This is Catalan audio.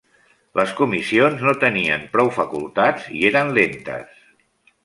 Les comissions no tenien prou facultats i eren lentes.